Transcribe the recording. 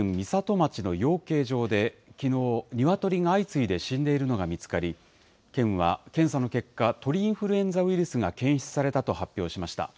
町の養鶏場で、きのう、ニワトリが相次いで死んでいるのが見つかり、県は検査の結果、鳥インフルエンザウイルスが検出されたと発表しました。